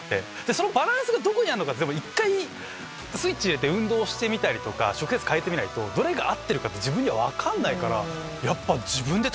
そのバランスがどこにあるのか１回スイッチ入れて運動してみたりとか食生活変えてみないとどれが合ってるかって自分には分かんないから。